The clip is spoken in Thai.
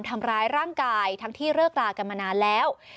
ทำร้ายร่างกายทั้งที่เลิกรากันมานานแล้ว